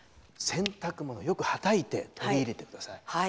洗濯物よくはたいて取り入れてください。